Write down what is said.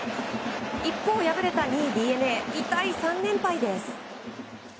一方敗れた２位、ＤｅＮＡ痛い３連敗です。